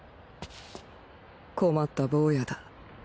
困った坊やだ。